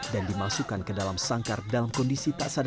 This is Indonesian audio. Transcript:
dan dimasukkan ke dalam sangkar dalam kondisi tak sengaja